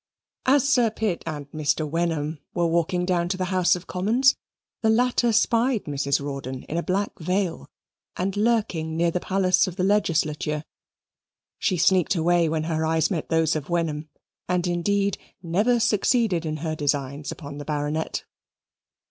As Sir Pitt and Mr. Wenham were walking down to the House of Commons, the latter spied Mrs. Rawdon in a black veil, and lurking near the palace of the legislature. She sneaked away when her eyes met those of Wenham, and indeed never succeeded in her designs upon the Baronet.